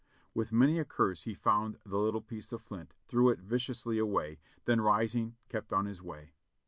With many a curse he found the little piece of flint, threw it viciously away, then rising kept on his way.